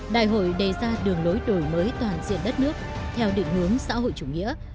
đại hội đề ra đường lối đổi mới toàn diện đất nước theo định hướng xã hội chủ nghĩa